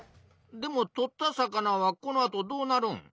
でも取った魚はこのあとどうなるん？